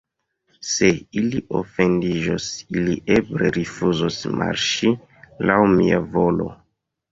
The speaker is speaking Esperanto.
Se ili ofendiĝos, ili eble rifuzos marŝi laŭ mia volo.